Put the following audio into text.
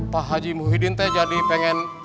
pak haji muhyiddin teh jadi pengen